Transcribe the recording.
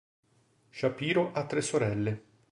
Shapiro ha tre sorelle.